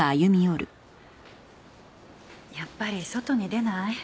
やっぱり外に出ない？